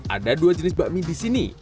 ada dua jenis bakmi di sini